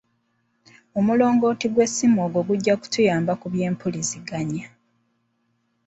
Omulongooti ogw'essimu ogwo gujja kutuyamba ku by'empuliziganya.